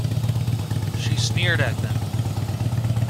She sneered at them.